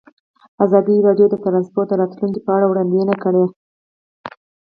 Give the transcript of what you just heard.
ازادي راډیو د ترانسپورټ د راتلونکې په اړه وړاندوینې کړې.